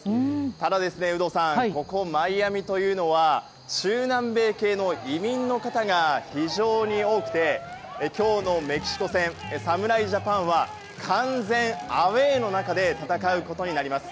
ただ、有働さんここマイアミというのは中南米系の移民の方が非常に多くて今日のメキシコ戦、侍ジャパンは完全アウェーの中で戦うことになります。